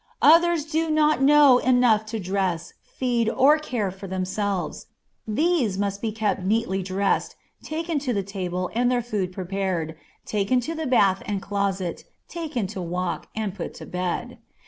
Others do not know enough to dress, feed, or care for themselves. These must be kept neatly dressed, taken to the table and their food prepared, taken to the bath and closet, taken to walk, and put to bed.